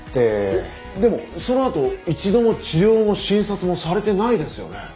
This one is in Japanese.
えっでもそのあと一度も治療も診察もされてないですよね？